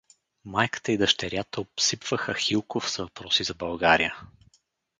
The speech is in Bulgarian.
Майката и дъщерята обсипваха Хилков с въпроси за България.